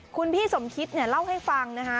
คุณพี่สมคิดเนี่ยเล่าให้ฟังนะคะ